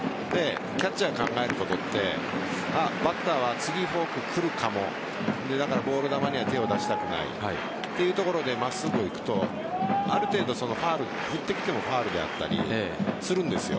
キャッチャーが考えることはバッターは次、フォーク来るかもだからボール球には手を出したくないというところで真っすぐいくとある程度、振ってきてもファウルであったりするんです。